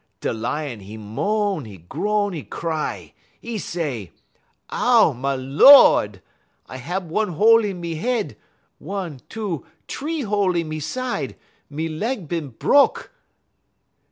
"Da Lion, 'e moan, 'e groan, 'e cry; 'e say: "'Ow, ma Lord! I hab one hole in me head, one, two, t'ree hole in me side, me leg bin bruk!'